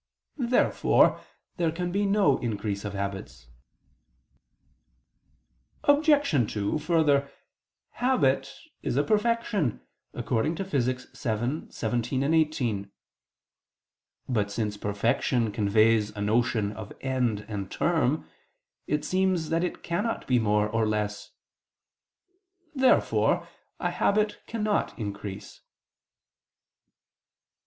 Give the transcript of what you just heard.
Therefore there can be no increase of habits. Obj. 2: Further, habit is a perfection (Phys. vii, text. 17, 18). But since perfection conveys a notion of end and term, it seems that it cannot be more or less. Therefore a habit cannot increase.